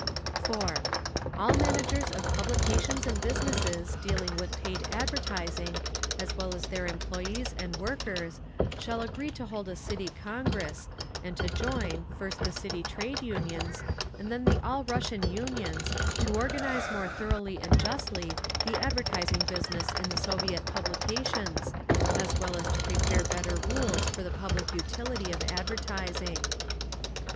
4. All managers of publications and businesses dealing with paid advertising, as well as their employees and workers, shall agree to hold a City Congress, and to join, first the City Trade Unions, and then the All Russian Unions, to organise more thoroughly and justly the advertising business in the Soviet publications, as well as to prepare better rules for the public utility of advertising.